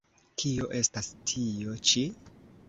Kio estas tio-ĉi?